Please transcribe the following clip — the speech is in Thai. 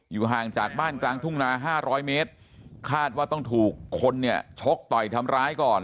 ห่างจากบ้านกลางทุ่งนา๕๐๐เมตรคาดว่าต้องถูกคนเนี่ยชกต่อยทำร้ายก่อน